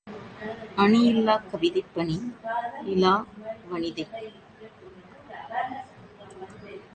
அணி இலாக் கவிதை பணி இலா வனிதை.